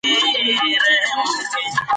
خلک باید د خوراک په اړه خپل فکر وکړي.